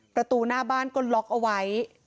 ประตูหน้าบ้านก็ล็อกเอาไว้